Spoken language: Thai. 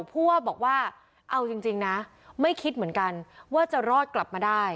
ผู้ว่าบอกว่าเอาจริงนะไม่คิดเหมือนกันว่าจะรอดกลับมาได้